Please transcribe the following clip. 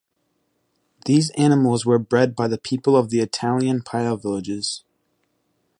These animals were bred by the people of the Italian pile villages.